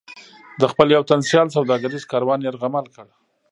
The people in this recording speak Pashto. د خپل یو تن سیال سوداګریز کاروان یرغمل کړ.